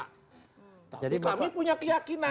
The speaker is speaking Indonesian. tapi kami punya keyakinan